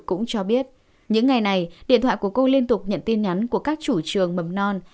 cũng cho biết những ngày này điện thoại của cô liên tục nhận tin nhắn của các chủ trường mầm non